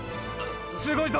すごいぞ！